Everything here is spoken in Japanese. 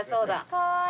かわいい！